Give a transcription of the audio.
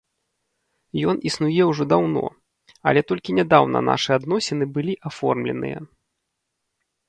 Ён існуе ўжо даўно, але толькі нядаўна нашы адносіны былі аформленыя.